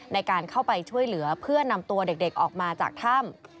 ในการเข้าไปช่วยเหลือเพื่อนำตัวเด็กออกมาจากถ้ำ